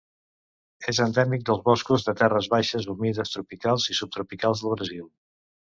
És endèmic dels boscos de terres baixes humides tropicals i subtropicals del Brasil.